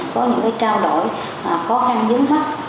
có những cái trao đổi khó khăn dứng mắt